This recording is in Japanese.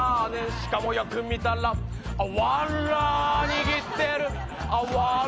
しかもよく見たら藁、握ってる。